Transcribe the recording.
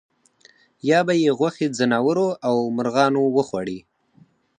یا به یې غوښې ځناورو او مرغانو وخوړې.